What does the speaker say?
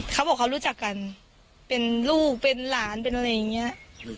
เขาบอกเขารู้จักกันเป็นลูกเป็นหลานเป็นอะไรอย่างนี้